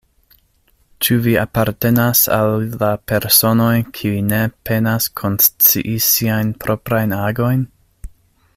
Ĉu vi apartenas al la personoj, kiuj ne penas konscii siajn proprajn agojn?